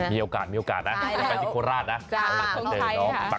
มีโอกาสนะแบบนี้คนราชนะ